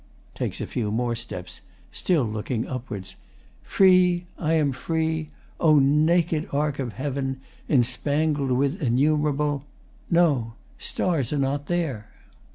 [Takes a few more steps, still looking upwards.] Free! I am free! O naked arc of heaven, Enspangled with innumerable no, Stars are not there.